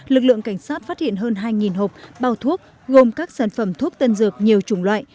lực lượng cảnh sát phát hiện hơn hai hộp bao thuốc gồm các sản phẩm thuốc tân dược nhiều chủng loại